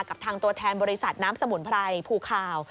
กับทางตัวแทนบริษัทน้ำสมุนไพรภูคาว